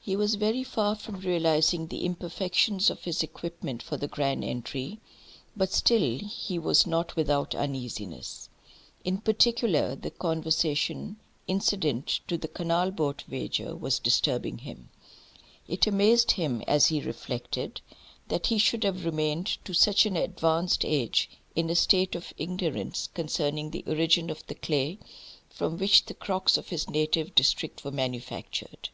FOUR. He was very far from realising the imperfections of his equipment for the grand entry; but still he was not without uneasiness. In particular the conversation incident to the canal boat wager was disturbing him. It amazed him, as he reflected, that he should have remained, to such an advanced age, in a state of ignorance concerning the origin of the clay from which the crocks of his native district were manufactured.